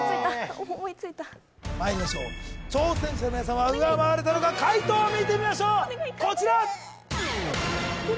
思いついたまいりましょう挑戦者の皆さんは上回れたのか解答を見てみましょうこちら！